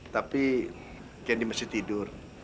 tapi kendi masih tidur